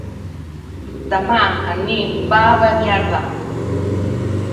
Demà en Nil va a Beniardà.